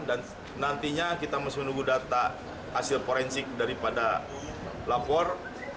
dan nantinya kita masih menunggu data hasil forensik daripada lapor